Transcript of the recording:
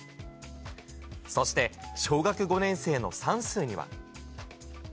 そして、小学５年生の算数には。